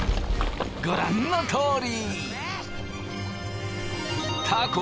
ご覧のとおり！